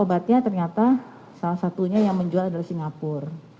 obatnya ternyata salah satunya yang menjual adalah singapura